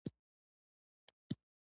هغه وایي چې د علم او پوهې څراغ تل روښانه وي